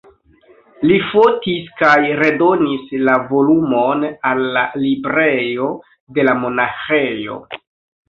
Li fotis kaj redonis la volumon al la librejo de la monaĥejo.